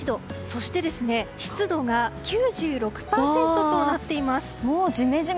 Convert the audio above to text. そして、湿度が９６％となっています。